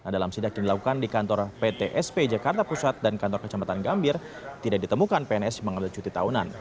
dalam sidak yang dilakukan di kantor ptsp jakarta pusat dan kantor kecamatan gambir tidak ditemukan pns mengambil cuti tahunan